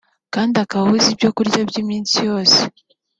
kandi akaba abuze ibyo kurya by’iminsi yose